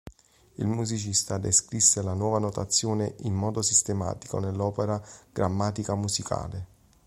Il musicista descrisse la nuova notazione in modo sistematico nell'opera "Grammatica musicale".